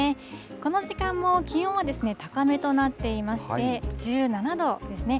この時間も気温は高めとなっていまして、１７度ですね。